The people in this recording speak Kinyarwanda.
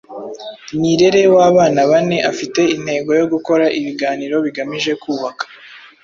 Nirere w’abana bane afite intego yo gukora ibiganiro bigamije kubaka